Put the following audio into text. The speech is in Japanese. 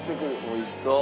おいしそう！